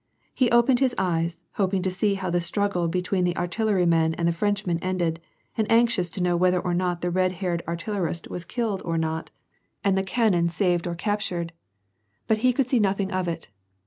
He opened his eyes, hoping to see how the struggle between the artilleryman and the Frenchman ended, and anxious to know whether or not the red headed artillerist was killed or not, and I J WAR AND PEACE. 343 ihe caonon saved or captured. But lie could see nothing of it.